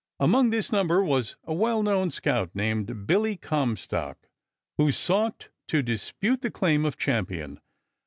Among this number was a well known scout named Billy Comstock, who sought to dispute the claim of champion.